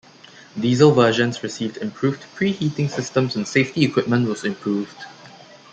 Diesel versions received improved pre-heating systems and safety equipment was improved.